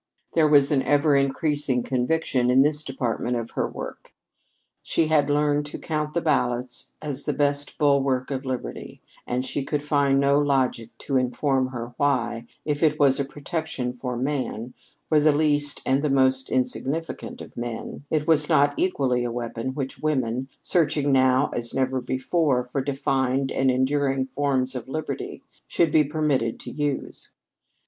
There was an ever increasing conviction in this department of her work. She had learned to count the ballot as the best bulwark of liberty, and she could find no logic to inform her why, if it was a protection for man, for the least and most insignificant of men, it was not equally a weapon which women, searching now as never before for defined and enduring forms of liberty, should be permitted to use.